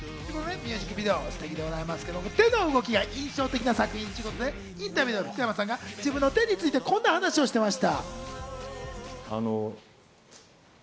ミュージックビデオ、ステキでございますが手の動きが印象的な作品ということで、インタビューでは福山さんが自分の手についてこんな話をしてくれました。